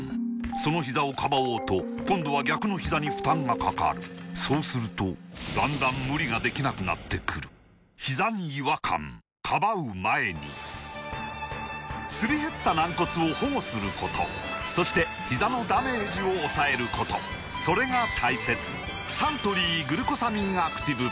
そのひざをかばおうと今度は逆のひざに負担がかかるそうするとだんだん無理ができなくなってくるすり減った軟骨を保護することそしてひざのダメージを抑えることそれが大切サントリー「グルコサミンアクティブ」